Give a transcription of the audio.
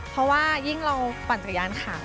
เพราะว่ายิ่งเราปั่นจักรยานขา